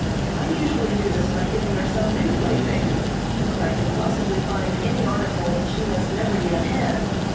I usually do this by giving her some new plaything, if I can possibly find any article she has never yet had.